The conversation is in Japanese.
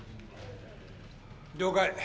了解。